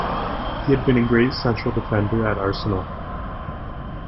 He had been a great central defender at Arsenal.